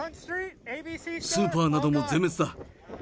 スーパーなども全滅だ。